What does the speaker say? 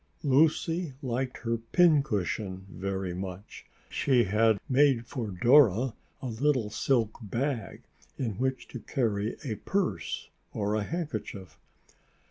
Lucy liked her pincushion very much. She had made for Dora a little silk bag in which to carry a purse or a handkerchief.